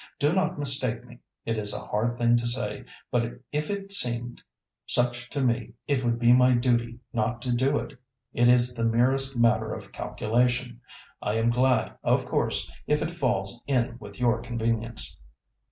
"Do not mistake me. It is a hard thing to say, but if it seemed such to me, it would be my duty not to do it. It is the merest matter of calculation. I am glad, of course, if it falls in with your convenience."